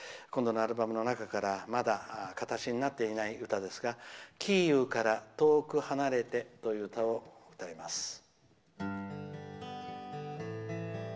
このアルバムの中からまだ形になっていない歌ですが「キイウから遠く離れて」という歌を歌います。